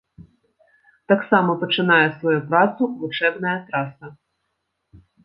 Таксама пачынае сваю працу вучэбная траса.